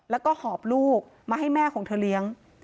แล้วก็หอบลูกมาให้แม่ของเธอเลี้ยง